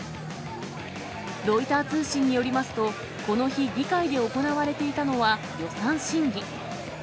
ロイター通信によりますと、この日、議会で行われていたのは予算審議。